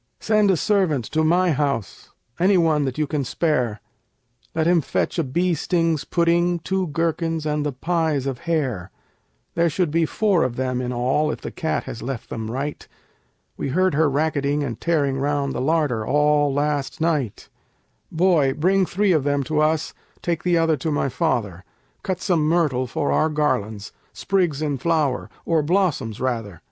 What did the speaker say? Send a servant to my house, any one that you can spare, Let him fetch a beestings pudding, two gherkins, and the pies of hare: There should be four of them in all, if the cat has left them right; We heard her racketing and tearing round the larder all last night, Boy, bring three of them to us, take the other to my father: Cut some myrtle for our garlands, sprigs in flower or blossoms rather.